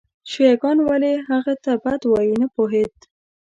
شیعه ګان ولې هغه ته بد وایي نه پوهېد.